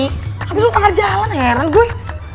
habis lo tanggal jalan heran gue